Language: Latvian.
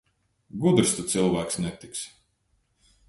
Gudrs tu cilvēks netiksi.